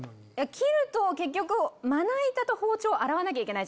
切ると結局まな板と包丁洗わなきゃいけない。